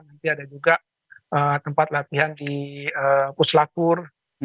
nanti ada juga tempat latihan di puslakur